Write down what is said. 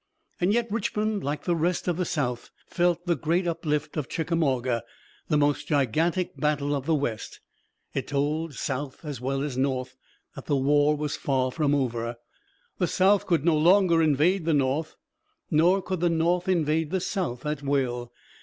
And yet Richmond, like the rest of the South, felt the great uplift of Chickamauga, the most gigantic battle of the West. It told South as well as North that the war was far from over. The South could no longer invade the North, nor could the North invade the South at will.